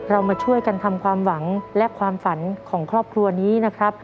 มาช่วยกันทำความหวังและความฝันของครอบครัวนี้นะครับ